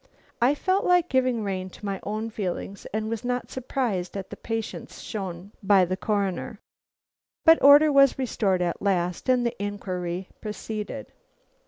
I felt like giving rein to my own feelings, and was not surprised at the patience shown by the Coroner. But order was restored at last, and the inquiry proceeded.